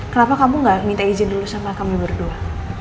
kenapa kamu gak minta izin dulu sama kami berdua